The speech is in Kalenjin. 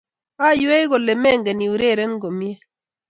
aywei kole mengen iureren komnyei